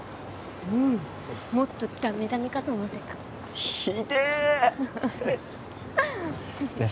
うんもっとダメダメかと思ってたひでえねえ